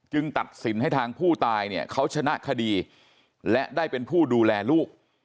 ตัดสินให้ทางผู้ตายเนี่ยเขาชนะคดีและได้เป็นผู้ดูแลลูก